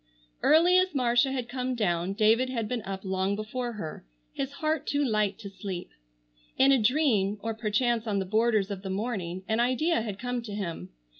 Early as Marcia had come down, David had been up long before her, his heart too light to sleep. In a dream, or perchance on the borders of the morning, an idea had come to him.